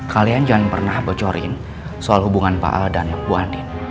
kalian jangan pernah bocorin soal hubungan pak al dan bu ani